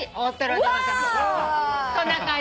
こんな感じ。